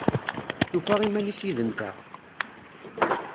Tufa iman-is yid-nteɣ?